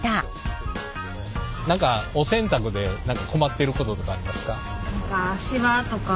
何かお洗濯で困ってることとかありますか？